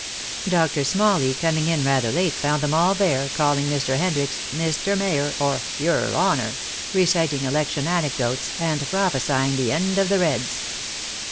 Doctor Smalley, coming in rather late found them all there, calling Mr. Hendricks "Mr. Mayor" or "Your Honor," reciting election anecdotes, and prophesying the end of the Reds.